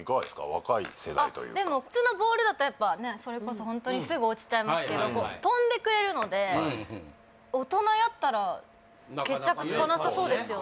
若い世代というかでも普通のボールだとやっぱねえそれこそホントにすぐ落ちちゃいますけど飛んでくれるので大人やったら決着つかなさそうですよね